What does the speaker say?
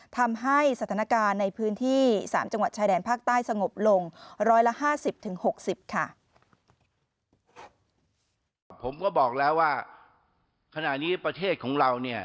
ทำให้สถานการณ์ในพื้นที่๓จังหวัดชายแดนภาคใต้สงบลง